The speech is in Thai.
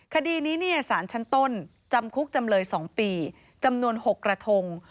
คดีนี้สารชั้นต้นจำคุกจำเลย๒ปีจำนวน๖กระทง